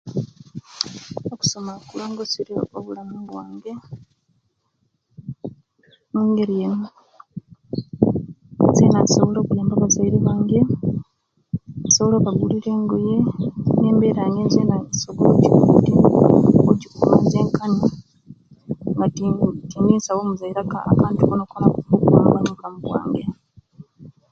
Okusoma kulongoserye obulamu bwange, mungeri eeno, zena nsobola okuyamba abazaire bange. nsobola okubagulira engoye, nembeera yange zena nsobola okuji okujikuma zenkani nga ti tindisaba omuzaire aka akantu konakona okwamba obulamu bwange.